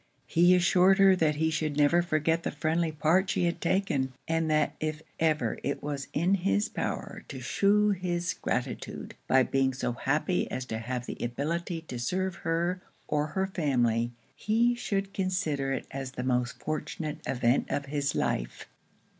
He assured her that he should never forget the friendly part she had taken, and that if ever it was in his power to shew his gratitude by being so happy as to have the ability to serve her or her family, he should consider it as the most fortunate event of his life.